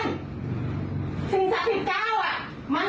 ทุกนี้จิบหลักเลยไหมภูมิตล้องจะยังหนมาอีก